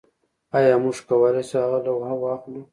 ایا موږ کولی شو هغه لوحه واخلو